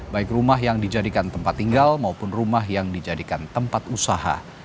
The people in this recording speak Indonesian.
baik rumah yang dijadikan tempat tinggal maupun rumah yang dijadikan tempat usaha